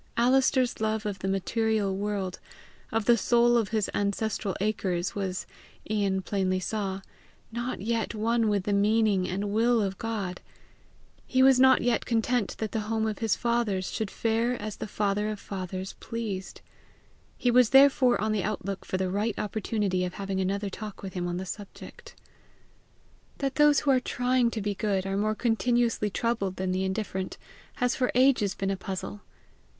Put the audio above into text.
Alister's love of the material world, of the soil of his ancestral acres, was, Ian plainly saw, not yet one with the meaning and will of God: he was not yet content that the home of his fathers should fare as the father of fathers pleased. He was therefore on the outlook for the right opportunity of having another talk with him on the subject. That those who are trying to be good are more continuously troubled than the indifferent, has for ages been a puzzle.